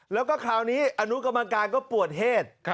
แล้วก็คราวนี้อนุกรรมการก็ปวดเหตุ